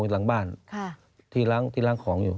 หลังบ้านที่ล้างของอยู่